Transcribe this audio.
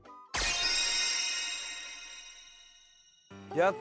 やった！